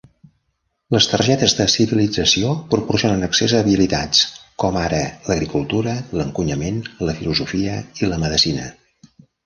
Les targetes de civilització proporcionen accés a habilitats, com ara l'agricultura, l'encunyament, la filosofia i la medecina.